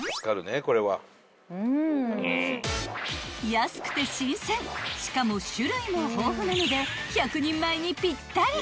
［安くて新鮮しかも種類も豊富なので１００人前にぴったり］